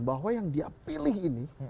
bahwa yang dia pilih ini